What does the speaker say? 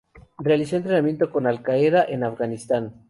Realizó entrenamiento con Al Qaeda en Afganistán.